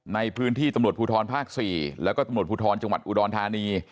ในพื้นที่ตำรวจภูทรภาค๔แล้วก็ตำรวจภูทรจังหวัดอุดรธานี